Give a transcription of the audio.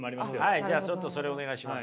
はいじゃあちょっとそれお願いします